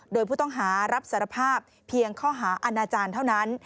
โดยผู้ต้องหารับสารภาพเพียงข้อหาอาณาจารย์เท่านั้น